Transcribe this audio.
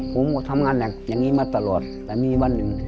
ผมก็ทำงานหนักอย่างนี้มาตลอดแต่มีวันหนึ่ง